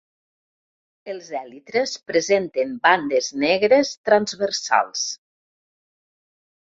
Els èlitres presenten bandes negres transversals.